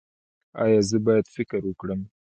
ایا زه باید فکر وکړم؟